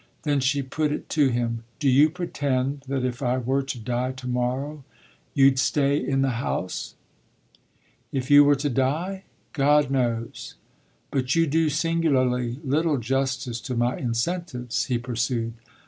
Then she put it to him: "Do you pretend that if I were to die to morrow you'd stay in the House?" "If you were to die? God knows! But you do singularly little justice to my incentives," he pursued.